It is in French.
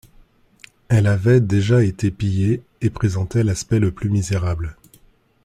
Elle avait déjà été pillée et présentait l'aspect le plus misérable.